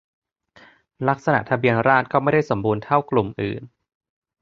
ลักษณะทะเบียนราฎษร์ก็ไม่ได้สมบูรณ์เท่ากลุ่มอื่น